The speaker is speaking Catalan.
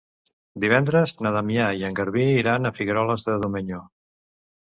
Divendres na Damià i en Garbí iran a Figueroles de Domenyo.